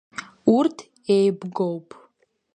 Урҭ еибгоуп.